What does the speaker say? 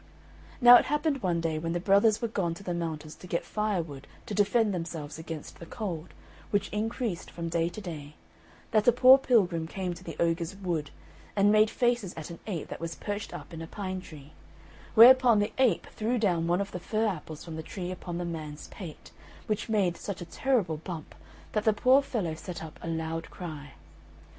Now it happened one day, when the brothers were gone to the mountains to get firewood to defend themselves against the cold, which increased from day to day, that a poor pilgrim came to the ogre's wood, and made faces at an ape that was perched up in a pine tree; whereupon the ape threw down one of the fir apples from the tree upon the man's pate, which made such a terrible bump that the poor fellow set up a loud cry.